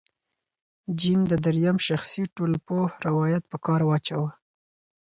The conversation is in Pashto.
جین د درېیم شخص ټولپوه روایت په کار واچاوه.